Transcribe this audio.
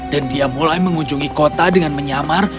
dan dia mulai mengunjungi kota dengan menyamar